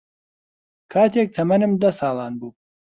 کاتێک تەمەنم دە ساڵان بوو